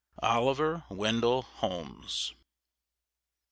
OLIVER WENDELL HOLMES.